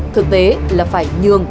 thực tế là phải nhường